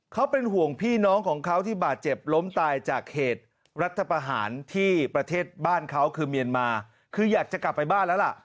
เขาเป็นห่วงพี่น้องของเขาที่บาดเจ็บล้มตายจากเหตุรัฐประหารที่ประเทศบ้านเขาคือเมียนมาคืออยากจะกลับไปบ้านแล้วล่ะ